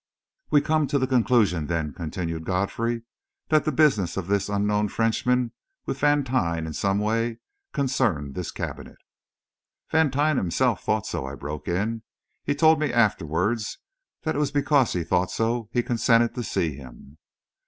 "We come to the conclusion, then," continued Godfrey, "that the business of this unknown Frenchman with Vantine in some way concerned this cabinet." "Vantine himself thought so," I broke in. "He told me afterwards that it was because he thought so he consented to see him."